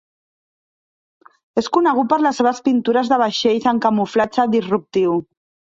És conegut per les seves pintures de vaixells en camuflatge disruptiu.